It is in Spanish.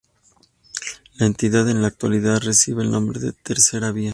La entidad en la actualidad recibe el nombre a Tercera Vía.